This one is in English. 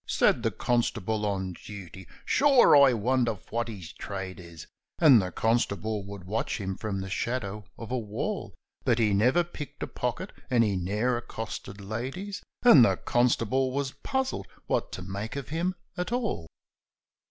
198 CONSTABLE M'CARTY'S INVESTIGATIONS Said the constable on duty : 'Shure, Oi wonther phwat his trade is 1 ' And the constable would watch him from the shadow of a wall, But he never picked a pocket, and he ne'er accosted ladies, And the constable was puzzled what to make of him at all.